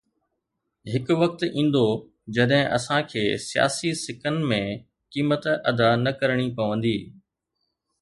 هڪ وقت ايندو جڏهن اسان کي سياسي سڪن ۾ قيمت ادا نه ڪرڻي پوندي.